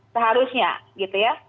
seharusnya gitu ya